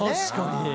確かに。